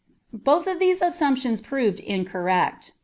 Both of these assumptions proved incorrect.